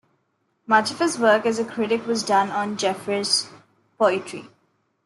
Much of his work as a critic was done on Jeffers's poetry.